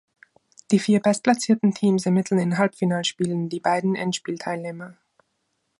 Die vier bestplatzierten Teams ermitteln in Halbfinalspielen die beiden Endspielteilnehmer.